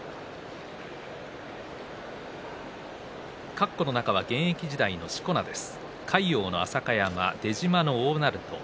かっこの中は現役時代のしこ名です。